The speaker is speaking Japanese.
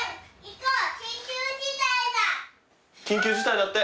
緊急事態だって！